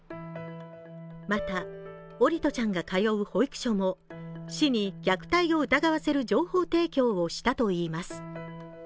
また、桜利斗ちゃんが通う保育所も市に虐待を疑わせる情報提供をしたといいます。